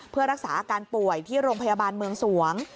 เพื่อรักษาอาการป่วยที่โรงพยาบาลเมืองสวง